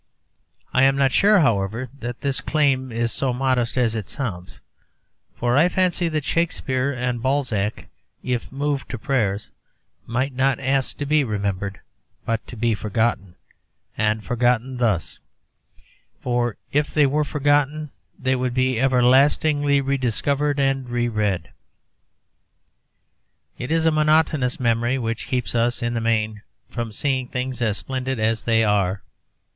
I am not sure, however, that this claim is so modest as it sounds, for I fancy that Shakespeare and Balzac, if moved to prayers, might not ask to be remembered, but to be forgotten, and forgotten thus; for if they were forgotten they would be everlastingly re discovered and re read. It is a monotonous memory which keeps us in the main from seeing things as splendid as they are.